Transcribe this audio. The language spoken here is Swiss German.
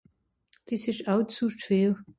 des esch aw zu schwer